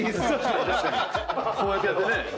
こうやってやってね。